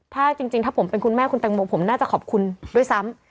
ถ้าจริงถ้าผมเป็นคุณแม่คุณแตงโมผมน่าจะขอบคุณด้วยซ้ำ